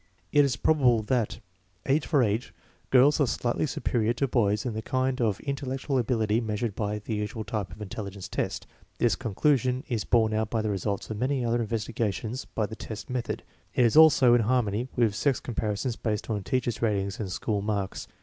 It is probable that, age for age, girls are slightly superior to boys in the kind of intellectual ability measured by the usual type of intelligence test. This conclusion is borne out by the results of many other investigations by the test method. It is also in harmony with sex comparisons based on teachers' ratings and school marks.